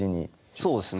そうですね。